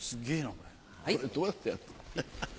これどうやってやるの？